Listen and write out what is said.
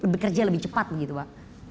bekerja lebih cepat begitu pak